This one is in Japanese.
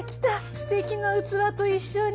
すてきな器と一緒に。